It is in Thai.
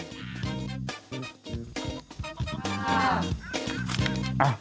ค่ะ